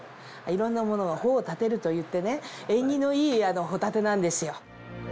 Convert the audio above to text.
いろんなものの帆を立てるといってね縁起のいい帆立なんですよ。